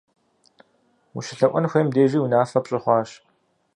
УщылъэӀуэн хуейм дежи унафэ пщӀы хъуащ.